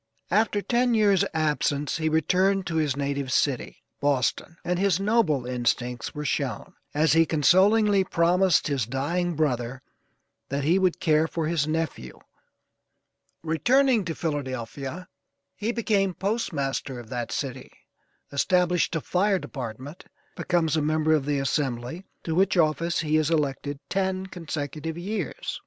After ten years' absence he returned to his native city, Boston, and his noble instincts were shown, as he consolingly promised his dying brother that he would care for his nephew, his brother's son. Returning to Philadelphia he became postmaster of that city, established a fire department, becomes a member of the Assembly, to which office he is elected ten consecutive years.